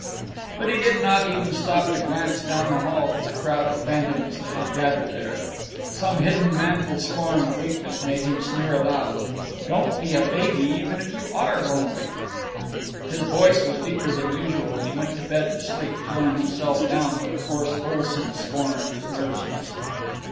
But he did not even stop to glance down the hall for the crowd of phantoms that had gathered there. Some hidden manful scorn of weakness made him sneer aloud, "Don't be a baby even if you are lonely." His voice was deeper than usual, and he went to bed to sleep, throwing himself down with a coarse wholesome scorn of his nervousness.